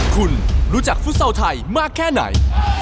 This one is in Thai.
คุณรู้จักฟุตซอลไทยมากแค่ไหน